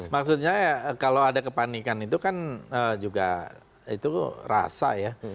maksudnya kalau ada kepanikan itu kan juga itu rasa ya